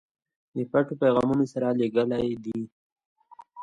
د پټو پیغامونو سره لېږلی دي.